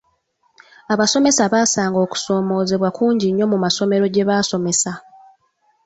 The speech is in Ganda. Abasomesa basanga okusoomoozebwa kungi nnyo mu masomero gye basomesa.